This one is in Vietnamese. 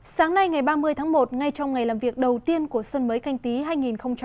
sáng nay ngày ba mươi tháng một ngay trong ngày làm việc đầu tiên của xuân mới canh tí hai nghìn hai mươi